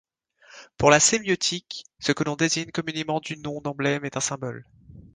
Pour la sémiotique, ce que l'on désigne communément du nom d'emblème est un symbole.